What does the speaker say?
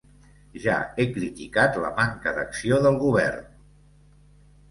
Ja he criticat la manca d’acció del govern.